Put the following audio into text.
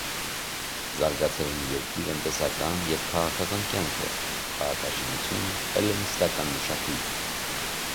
Զարգացել են երկրի տնտեսական և քաղաքական կյանքը, քաղաքաշինությունը, հելլենիստական մշակույթը։